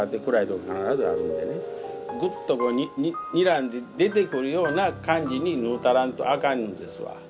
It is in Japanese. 必ずあるんでねグッとこうにらんで出てくるような感じに縫うたらんとあかんのですわ。